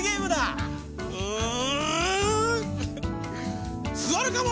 うんすわるカモ！